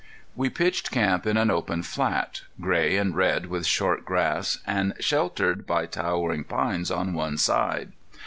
We pitched camp in an open flat, gray and red with short grass, and sheltered by towering pines on one side.